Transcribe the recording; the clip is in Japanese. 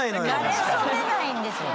なれそめないんですよ。